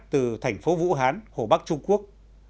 từ thành phố vũ hán hồ bắc trung quốc